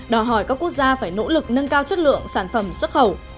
đòi hỏi các quốc gia phải nỗ lực nâng cao chất lượng sản phẩm xuất khẩu